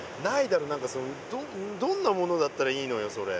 何かそのどんなものだったらいいのよそれ。